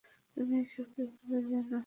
তুমি এসব কিভাবে জানো?